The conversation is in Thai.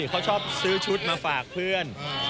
เขาชอบซื้อชุดมาฝากเพื่อน